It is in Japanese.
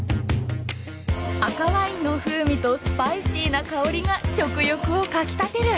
赤ワインの風味とスパイシーな香りが食欲をかき立てる！